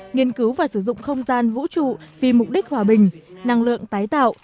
nghiên cứu và sử dụng không gian vũ trụ vì mục đích hòa bình năng lượng tái tạo